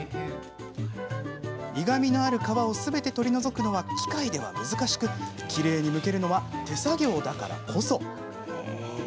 苦みのある皮をすべて取り除くのは、機械では難しくきれいにむけるのは手作業だからこそ。